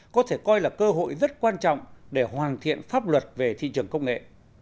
có thể coi là cơ hội rất quan trọng để hoàn thiện pháp luật về thị trường công nghệ